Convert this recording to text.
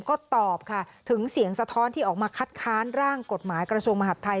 ก็ตอบค่ะถึงเสียงสะท้อนที่ออกมาคัดค้านร่างกฎหมายกระทรวงมหาดไทย